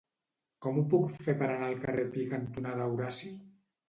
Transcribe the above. Com ho puc fer per anar al carrer Pi cantonada Horaci?